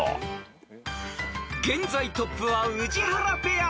［現在トップは宇治原ペア］